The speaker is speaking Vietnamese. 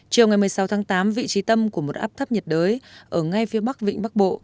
chiều ngày một mươi sáu tháng tám vị trí tâm của một áp thấp nhiệt đới ở ngay phía bắc vịnh bắc bộ